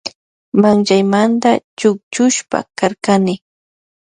Manllaymanta chukchushpa karkani.